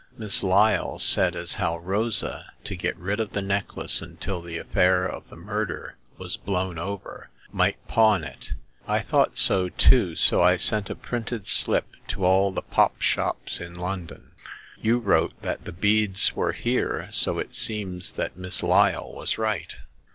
Miss Lyle said as how Rosa, to get rid of the necklace until the affair of the murder was blown over, might pawn it. I thought so too, so I sent a printed slip to all the pop shops in London. You wrote that the beads were here, so it seems as Miss Lyle was right."